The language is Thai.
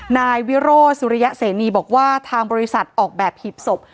นายวิโรสุริยะเสนีบอกว่าทางบริษัทออกแบบหีบศพ